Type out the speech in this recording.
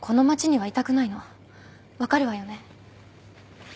分かるわよね？